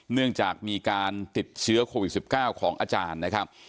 เนื่องจากมีการติดเชื้อโควิด๑๙ของอาจารย์นะครับ